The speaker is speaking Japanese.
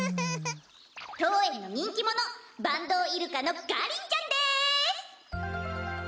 とうえんのにんきものバンドウイルカのガリンちゃんです！